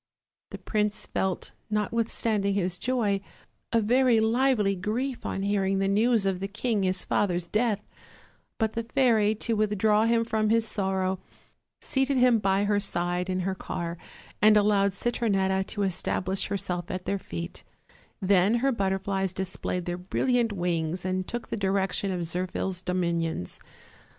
The prince felt, notwithstanding his joy, a very lively grief on hearing the news of the king his father's death; but the fairy, to withdraw him from his sorrow, seated him by her side in her car, and allowed Citronetta to establish herself at their feet; then her butterflies displayed their brilliant wings and took the direction of Zirphil's domin ions.